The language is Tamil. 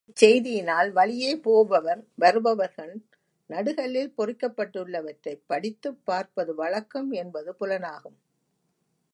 இச் செய்தியினால், வழியே போபவர் வருபவர்கன் நடு கல்லில் பொறிக்கப்பட்டுள்ளவற்றைப் படித்துப் பார்ப் பது வழக்கம் என்பது புலனாகும்.